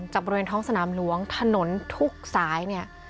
บริเวณท้องสนามหลวงถนนทุกสายเนี่ย